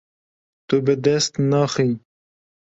Tu bi dest naxî.